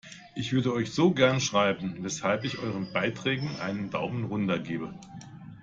Ich würde euch so gerne schreiben, weshalb ich euren Beiträgen einen Daumen runter gebe!